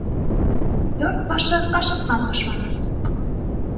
Йорт башы ҡашыҡтан башлана.